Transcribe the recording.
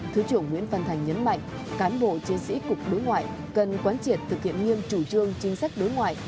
thứ trưởng nguyễn văn thành nhấn mạnh cán bộ chiến sĩ cục đối ngoại cần quán triệt thực hiện nghiêm chủ trương chính sách đối ngoại